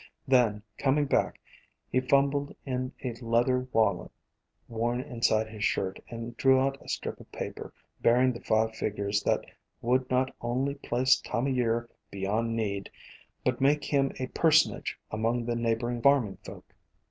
Then, coming back, he fumbled in a leather wallet worn inside his shirt, and drew out a strip of paper bearing the five figures that would not only place Time o' Year beyond need, but make him a per sonage among the neighboring farming folk.